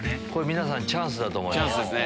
皆さんチャンスだと思います。